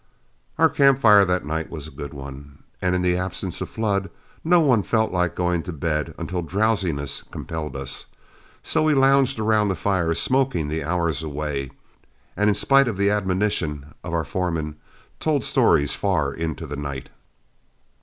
Our camp fire that night was a good one, and in the absence of Flood, no one felt like going to bed until drowsiness compelled us. So we lounged around the fire smoking the hours away, and in spite of the admonition of our foreman, told stories far into the night.